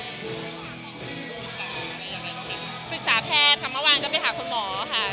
ปรึกษาแพทย์ค่ะเมื่อวานก็ไปหาคุณหมอค่ะ